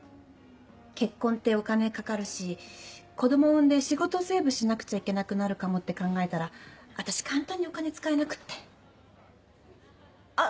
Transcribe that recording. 結婚ってお金かかるし子供産んで仕事セーブしなくちゃいけなくなるかもって考えたら私簡単にお金使えなくって。あっ！